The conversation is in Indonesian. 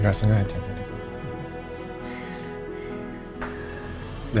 gak sengaja tadi